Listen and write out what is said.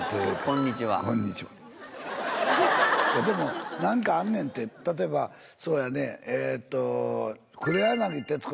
でも何かあんねんって例えばそうやねえっと。